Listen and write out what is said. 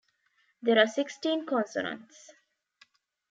There are sixteen consonants.